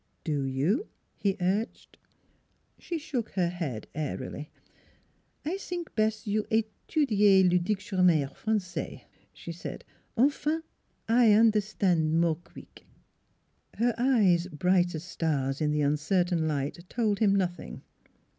" Do you? " he urged. She shook her head airily. " I zink bes' you etudier le dictionnaire Fran gais," she said. " Enfin, I un'erstan' more qweek." Her eyes, bright as stars in the uncertain light, told him nothing.